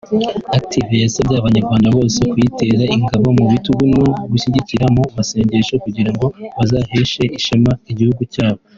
Active yasabye Abanyarwanda bose kuyitera ingabo mu bitugu no kuyishyigikira mu masengesho kugira ngo bazaheshe ishema igihugu cyabo